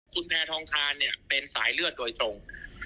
คุณแพร่ทองคานเป็นสายเลือดโดยตรง